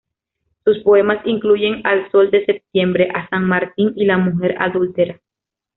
Sus poemas incluyen "Al sol de septiembre", "A San Martín" y "La mujer adúltera".